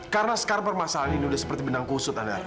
karena sekarang permasalahan ini udah seperti benang kusut andara